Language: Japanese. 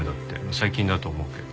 最近だと思うけど。